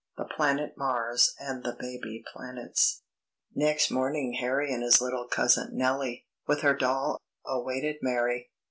THE PLANET MARS AND THE BABY PLANETS. Next morning Harry and his little cousin Nellie, with her doll, awaited Mary.